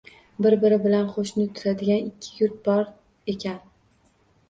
Bir-biri bilan qo‘shni turadigan ikkita yurt bor ekan.